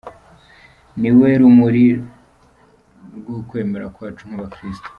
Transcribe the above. Ni We rumuri rw’ukwemera kwacu nk’abakristu.